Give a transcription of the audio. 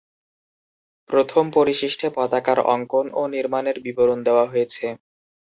প্রথম পরিশিষ্টে পতাকার অঙ্কন ও নির্মাণের বিবরণ দেওয়া হয়েছে।